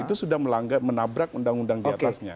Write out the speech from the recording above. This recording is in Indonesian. itu sudah menabrak undang undang diatasnya